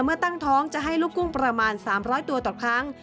เมื่อตั้งท้องจะให้ลูกกุ้งประมาณ๓๐๐ตัวต่อครั้ง